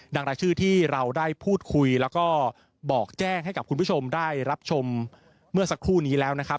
รายชื่อที่เราได้พูดคุยแล้วก็บอกแจ้งให้กับคุณผู้ชมได้รับชมเมื่อสักครู่นี้แล้วนะครับ